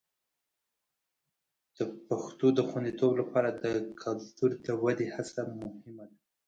د پښتو د خوندیتوب لپاره د کلتور د ودې هڅه مهمه ده.